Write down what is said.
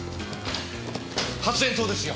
発煙筒ですよ。